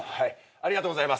ありがとうございます。